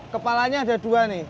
kepalanya ada dua nih